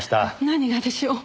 何がでしょう？